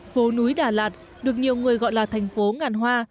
phố núi đà lạt được nhiều người gọi là thành phố ngàn hoa